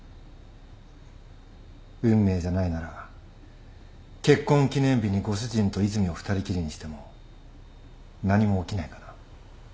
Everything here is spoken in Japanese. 運命じゃないなら結婚記念日にご主人と和泉を２人きりにしても何も起きないかな？